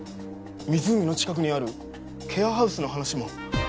湖の近くにあるケアハウスの話も。